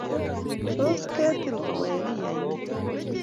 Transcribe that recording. Tos keitil kowek iyae ne?